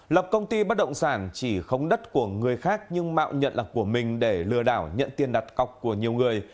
lập công ty bất động sản chỉ không đất của người khác nhưng mạo nhận là của mình để lừa đảo nhận tiền đặt cọc của nhiều người